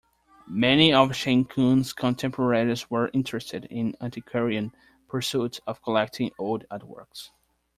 Many of Shen Kuo's contemporaries were interested in antiquarian pursuits of collecting old artworks.